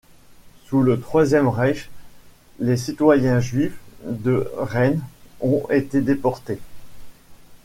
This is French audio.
Sous le Troisième Reich, les citoyens juifs de Rheine ont été déporté.